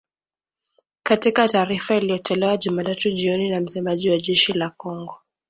Katika taarifa iliyotolewa Jumatatu jioni na msemaji wa jeshi la Kongo